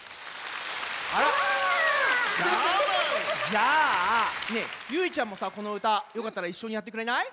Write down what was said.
じゃあねえゆいちゃんもさこのうたよかったらいっしょにやってくれない？